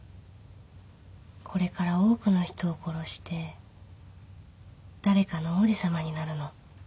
これから多くの人を殺して誰かの王子様になるの